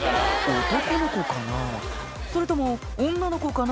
男の子かな？